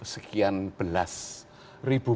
sekian belas ribu